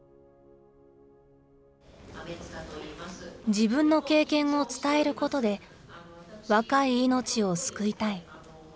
自分の経験を伝えることで、若い命を救いたい。